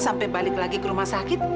sampai balik lagi ke rumah sakit